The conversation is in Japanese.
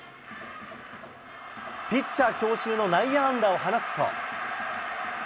ピッチャー強襲の内野安打を放つと。